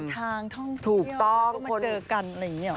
เจอร์นี่ทางเดินทางท่องเที่ยวก็มาเจอกันอะไรอย่างนี้หรอ